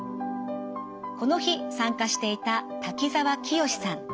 この日参加していた滝沢清さん。